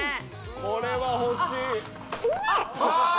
これは欲しいあっ！